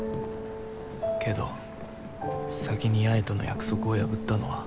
けど先に八重との約束を破ったのは。